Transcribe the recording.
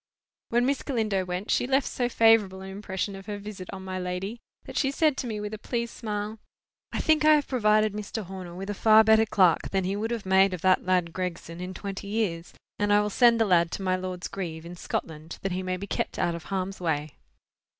When Miss Galindo went, she left so favourable an impression of her visit on my lady, that she said to me with a pleased smile— "I think I have provided Mr. Horner with a far better clerk than he would have made of that lad Gregson in twenty years. And I will send the lad to my lord's grieve, in Scotland, that he may be kept out of harm's way."